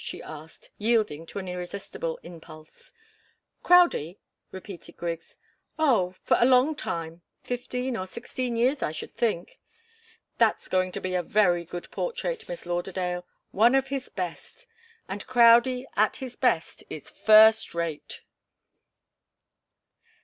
she asked, yielding to an irresistible impulse. "Crowdie?" repeated Griggs. "Oh a long time fifteen or sixteen years, I should think. That's going to be a very good portrait, Miss Lauderdale one of his best. And Crowdie, at his best, is first rate."